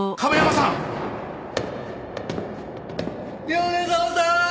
米沢さーん！